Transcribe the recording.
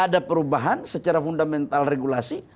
ada perubahan secara fundamental regulasi